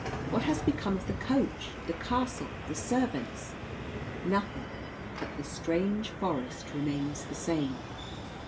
What has become of the coach, the castle, the servants? Nothing but the strange forest remains the same.